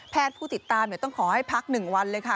แพทย์ผู้ติดตามต้องขอให้พักหนึ่งวันเลยค่ะ